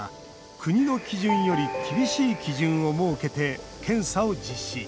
福島では、国の基準より厳しい基準を設けて検査を実施。